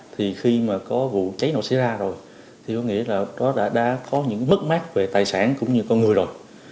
thì khi mà có vụ cháy nổ xảy ra rồi thì có nghĩa là nó đã có những mất mát về tài sản cũng như con người rồi